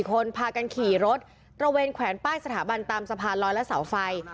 คนพากันขี่รถตระเวนแขวนป้ายสถาบันตามสะพานลอยและเสาไฟ